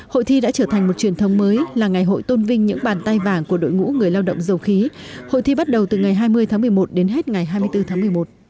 hội thi đã trở thành một truyền thống mới là ngày hội tôn vinh những bàn tay vàng của đội ngũ người lao động dầu khí hội thi bắt đầu từ ngày hai mươi tháng một mươi một đến hết ngày hai mươi bốn tháng một mươi một